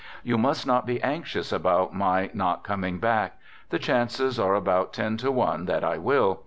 You must not be anxious about my not ; coming back. The chances are about ten to one that I will.